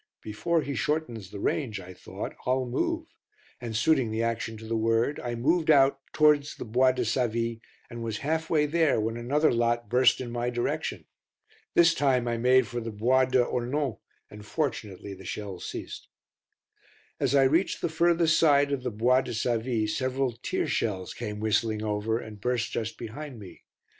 "Before he shortens the range," I thought, "I'll move," and suiting the action to the word I moved out towards the Bois de Savy and was half way there when another lot burst in my direction. This time I made for the Bois de Holnon, and fortunately the shells ceased. As I reached the furthest side of the Bois de Savy several tear shells came whistling over and burst just behind me.